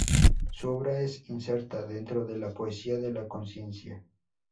Su obra se inserta dentro de la poesía de la conciencia.